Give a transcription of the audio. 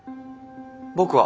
僕は。